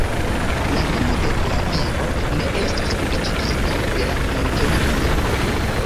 La nomo de la viro ne estas publikigita de la Munkena kliniko.